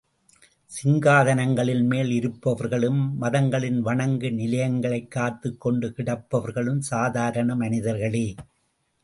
சிங்காதனங்களின் மேல் இருப்பவர்களும், மதங்களின் வணங்கு நிலையங்களைக் காத்துக் கொண்டு கிடப்பவர்களும் சாதாரண மனிதர்களே!